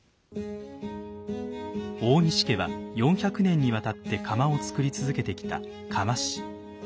大西家は４００年にわたって釜を作り続けてきた釜師。